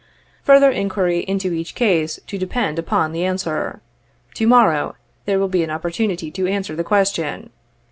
Further inquiry into each case to depend upon the auswer. To morrow there will be an opportunity to answer the question.